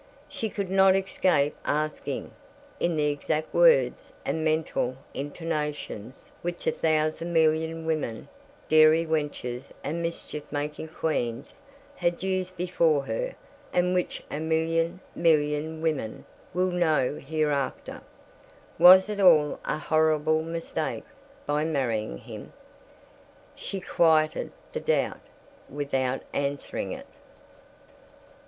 She could not escape asking (in the exact words and mental intonations which a thousand million women, dairy wenches and mischief making queens, had used before her, and which a million million women will know hereafter), "Was it all a horrible mistake, my marrying him?" She quieted the doubt without answering it.